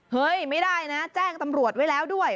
เฮ้ยไม่ได้นะแจ้งตำรวจไว้แล้วด้วย